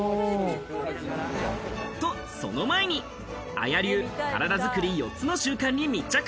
と、その前にＡＹＡ流、体作り４つの習慣に密着。